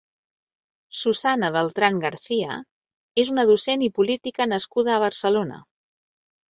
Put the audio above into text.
Susana Beltrán García és una docent i política nascuda a Barcelona.